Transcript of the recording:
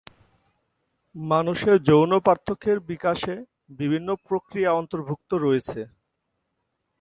মানুষের যৌন পার্থক্যের বিকাশে বিভিন্ন প্রক্রিয়া অন্তর্ভুক্ত রয়েছে।